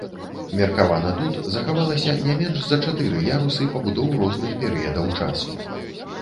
Меркавана тут захавалася не менш за чатыры ярусы пабудоў розных перыядаў часу.